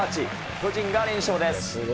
巨人が連勝です。